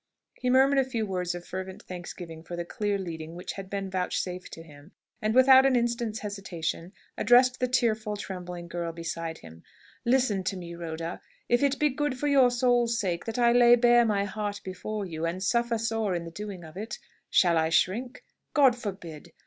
He murmured a few words of fervent thanksgiving for the clear leading which had been vouchsafed to him, and without an instant's hesitation addressed the tearful, trembling girl beside him. "Listen to me, Rhoda. If it be good for your soul's sake that I lay bare my heart before you, and suffer sore in the doing of it, shall I shrink? God forbid!